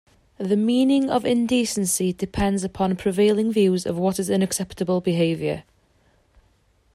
The meaning of indecency depends upon prevailing views of what is unacceptable behaviour.